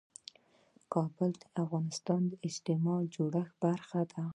کابل د افغانستان د اجتماعي جوړښت برخه ده.